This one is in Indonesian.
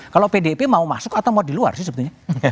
kalau pdb mau masuk atau mau diluar sih sebetulnya